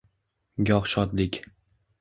Goh shodlik